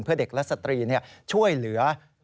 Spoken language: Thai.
เพื่อเด็กและสตรีช่วยเหลือ